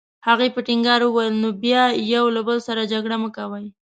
هغې په ټینګار وویل: نو بیا یو له بل سره جګړې مه کوئ.